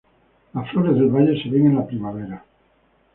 Las flores del valle se ven en la primavera.